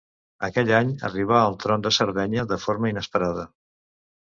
Aquell any arribà al tron de Sardenya de forma inesperada.